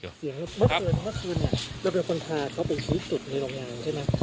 เมื่อคืนเมื่อคืนเนี่ยเราเป็นคนพาเขาไปชี้จุดในโรงงานใช่ไหม